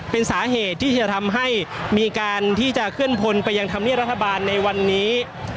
เป็นสาเหตุที่จะทำให้มีการที่จะเคลื่อนพลไปยังธรรมเนียบรัฐบาลในวันนี้